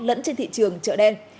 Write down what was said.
lẫn trên thị trường chợ đen